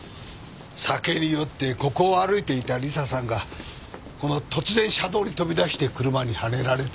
酒に酔ってここを歩いていたリサさんがこの突然車道に飛び出して車にはねられたということです。